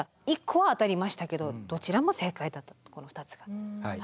１個は当たりましたけどどちらも正解だとこの２つが。